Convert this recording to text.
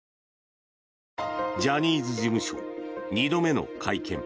ジャニーズ事務所２度目の会見。